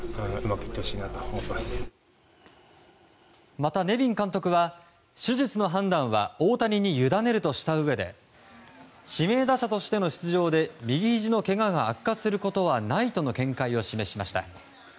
また、ネビン監督は手術の判断は大谷にゆだねるとしたうえで指名打者での出場で右ひじのけがが悪化することはないとの見解を示しました。